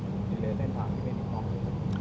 หมอบรรยาหมอบรรยา